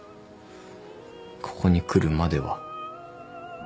ここに来るまでは。